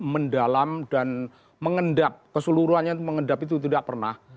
mendalam dan mengendap keseluruhannya mengendap itu tidak pernah